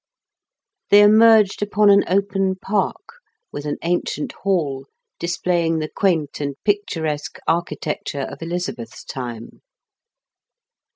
They emerged upon an open park, with an ancient hall, displa3dng the quaint and picturesque architecture of Elizabeth's time.